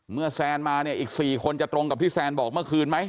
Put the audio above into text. แซนมาเนี่ยอีก๔คนจะตรงกับที่แซนบอกเมื่อคืนไหม